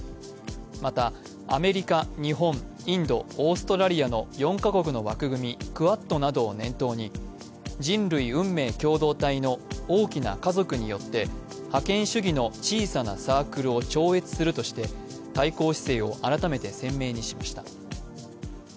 また、アメリカ、日本、インド、オーストラリアの４カ国の枠組みクアッドなどを念頭に、人類運命共同体の大きな家族よって覇権主義の小さなサークルを超越するとして対抗姿勢を改めて鮮明にしました。